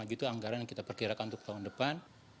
itu anggaran yang kita perkirakan untuk tahun depan